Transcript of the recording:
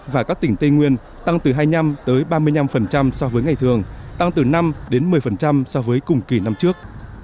và các tỉnh tây nguyên tăng từ hai mươi năm ba mươi năm so với ngày thường tăng từ năm đến một mươi so với cùng kỳ năm trước